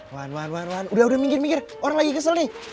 wan wan wan wan udah udah minggir minggir orang lagi kesel nih